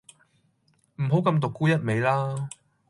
唔好咁獨沽一味啦